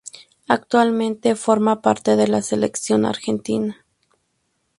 Actualmente forma parte de la Selección argentina.